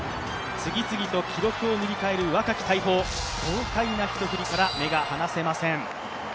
次々と記録を塗り替える若き大砲、豪快な１振りから目が離せません。